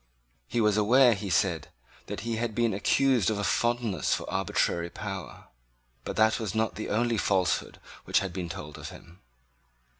He was aware, he said, that he had been accused of a fondness for arbitrary power. But that was not the only falsehood which had been told of him.